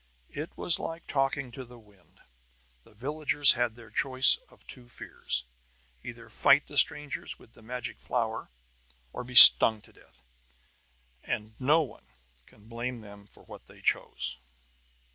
It was like talking to the wind. The villagers had their choice of two fears: either fight the strangers with the magic flower, or be stung to death. And no one can blame them for what they chose.